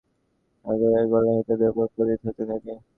মুসলমানদের নারাধ্বনি ও আক্রমণ আগুনের গোলা হয়ে তাদের উপর পতিত হতে থাকে।